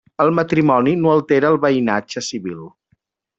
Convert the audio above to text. El matrimoni no altera el veïnatge civil.